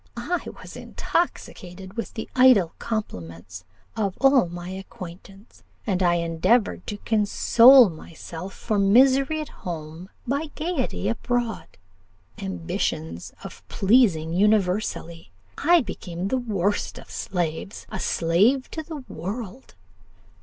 I was intoxicated with the idle compliments of all my acquaintance, and I endeavoured to console myself for misery at home by gaiety abroad. Ambitious of pleasing universally, I became the worst of slaves a slave to the world.